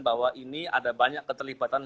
bahwa ini ada banyak keterlibatan